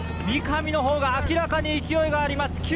三上の方が明らかに勢いがあります。